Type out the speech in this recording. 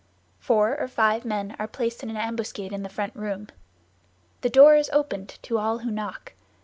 Four or five men are placed in ambuscade in the first room. The door is opened to all who knock.